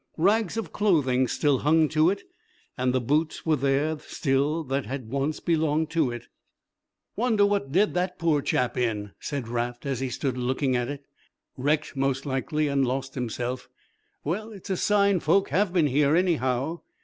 Rags of clothing still hung to it and the boots were there still that had once belonged to it. "Wonder what did that poor chap in?" said Raft as he stood looking at it. "Wrecked, most likely and lost himself well, it's a sign folk have been here, anyhow."